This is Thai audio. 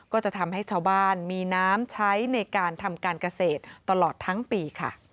ก็จะทำให้ชาวบ้านมีน้ำใช้ในการทำการเกษตรตลอดทั้งปีค่ะ